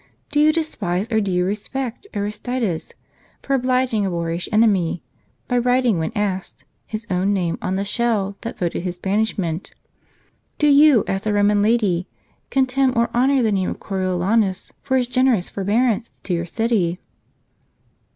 Do you despise, or do you respect, Aristides, for obliging a boorish enemy, by writing, when asked, his own name on the shell that voted his banishment? Do you, as a Koman lady, contemn or honor the name of Coriolanus, for his generous forbearance to your city